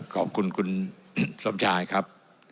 ขอบคุณคุณสมชายครับ